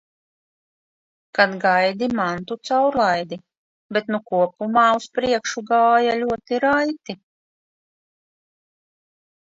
Kad gaidi mantu caurlaidi, bet nu kopumā uz priekšu gāja ļoti raiti.